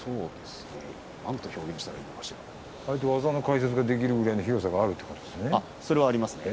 技の解説ができるくらいの広さがあるんですね。